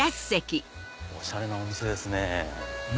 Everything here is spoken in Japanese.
おしゃれなお店ですね。